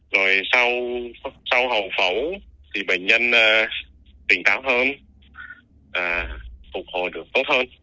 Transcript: rồi sau hậu phẫu thì bệnh nhân tỉnh táo hơn phục hồi được tốt hơn